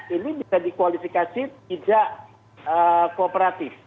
ini bisa dikualifikasi tidak kooperatif